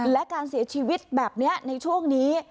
และการเสียชีวิตแบบนี้ในช่วงนี้